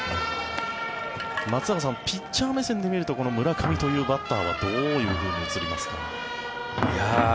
松坂さん、ピッチャー目線で見るとこの村上というバッターはどう映りますか？